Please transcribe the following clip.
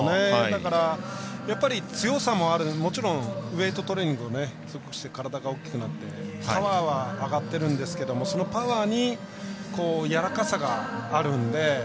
だから、やっぱり強さもあるもちろんウエイトトレーニングをして体が大きくなってパワーは上がってるんですがそのパワーにやわらかさがあるんで。